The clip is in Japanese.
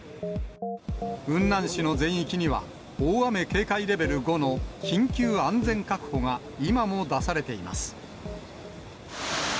雲南市の全域には、大雨警戒レベル５の緊急安全確保が今も出されています。